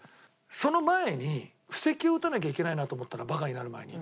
その前に布石を打たなきゃいけないなと思ったのバカになる前に。